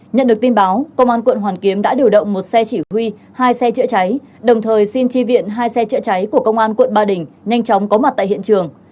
nhận được tin báo công an quận hoàn kiếm đã điều động một xe chỉ huy hai xe chữa cháy đồng thời xin tri viện hai xe chữa cháy của công an quận ba đình nhanh chóng có mặt tại hiện trường